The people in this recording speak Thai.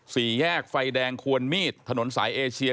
สี่แยกไฟแดงควรมีดถนนสายเอเชีย